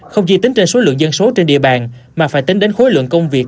không chỉ tính trên số lượng dân số trên địa bàn mà phải tính đến khối lượng công việc